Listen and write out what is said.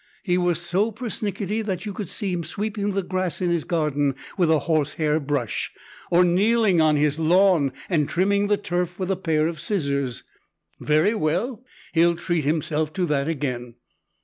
He was so pernickety that you could see him sweeping the grass in his garden with a horsehair brush, or kneeling on his lawn and trimming the turf with a pair of scissors. Very well, he'll treat himself to that again!